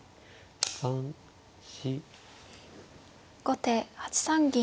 後手８三銀。